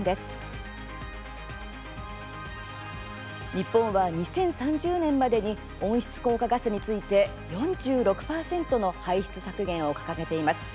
日本は２０３０年までに温室効果ガスについて４６％の排出削減を掲げています。